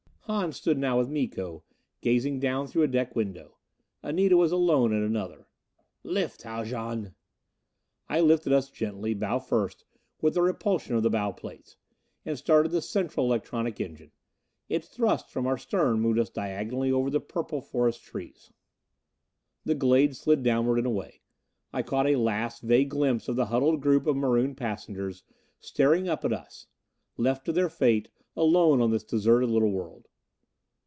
Hahn stood now with Miko, gazing down through a deck window. Anita was alone at another. "Lift, Haljan." I lifted us gently, bow first, with a repulsion of the bow plates. And started the central electronic engine. Its thrust from our stern moved us diagonally over the purple forest trees. The glade slid downward and away. I caught a last vague glimpse of the huddled group of marooned passengers, staring up at us. Left to their fate, alone on this deserted little world.